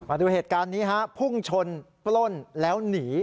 มาดูเหตุการณ์นี้ฮะพุ่งชนปล้นแล้วหนี